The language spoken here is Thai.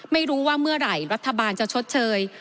ไม่รู้ว่าเมื่อไหร่รัฐบาลจะชดเชย